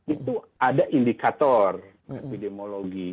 itu ada indikator epidemiologi